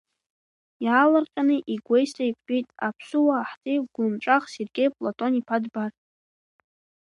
Иаалырҟьаны игәеисра еиқәтәеит аԥсуаа ҳҵеи гәлымҵәах Сергеи Платон-иԥа Дбар.